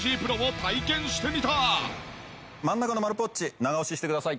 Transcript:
真ん中の丸ポッチ長押ししてください。